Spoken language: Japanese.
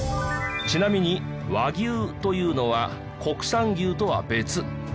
ちなみに和牛というのは国産牛とは別。